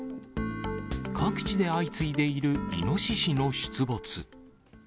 各地で相次いでいるイノシシの出没。